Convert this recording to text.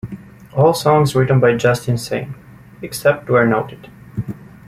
All songs written by Justin Sane, except where noted.